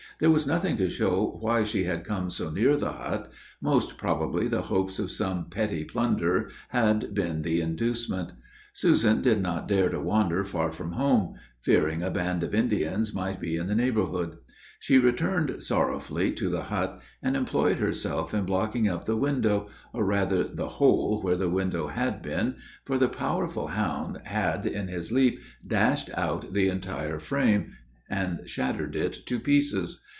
There was nothing to show why she had come so near the hut: most probably the hopes of some petty plunder had been the inducement. Susan did not dare to wander far from home, fearing a band of Indians might be in the neighborhood. She returned sorrowfully to the hut, and employed herself in blocking up the window, or rather the hole where the window had been, for the powerful hound had, in his leap, dashed out the entire frame, and shattered it to pieces.